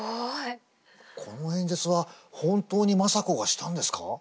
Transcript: この演説は本当に政子がしたんですか？